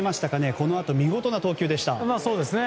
このあと見事な投球でした。